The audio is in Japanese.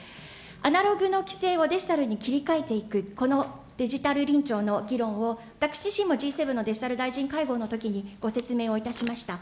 アナログの規制をデジタルに切り替えていく、このデジタル臨調の議論を、私自身もＧ７のデジタル大臣会合のときにご説明をいたしました。